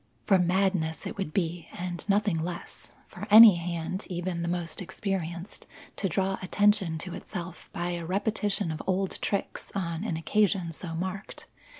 For madness it would be and nothing less, for any hand, even the most experienced, to draw attention to itself by a repetition of old tricks on an occasion so marked.